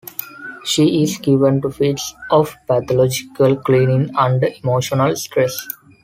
She is given to fits of pathological cleaning under emotional stress.